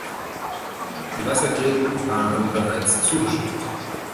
Die Wassergräben waren bereits zugeschüttet.